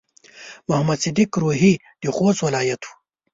محمد صديق روهي د خوست ولايت و.